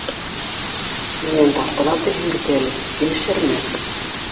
- Минән тартына тиһең бит әле, килешерме?